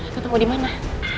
aku tau gue dimana